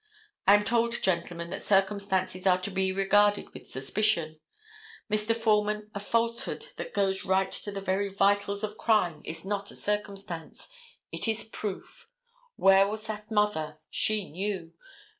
I am told, gentlemen, that circumstances are to be regarded with suspicion. Mr. Foreman, a falsehood that goes right to the very vitals of crime is not a circumstance; it is proof. Where was that mother? She knew.